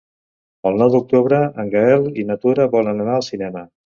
El nou d'octubre en Gaël i na Tura volen anar al cinema.